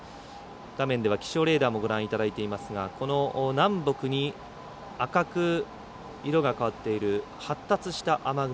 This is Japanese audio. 画面では気象レーダーもご覧いただいていますがこの南北に赤く色が変わっている発達した雨雲。